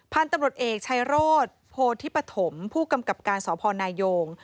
ผ้านตำรวจเอกไชโรศโภธิปฐมผู้กำกัดการฝนายโยง